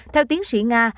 theo tiến sĩ nga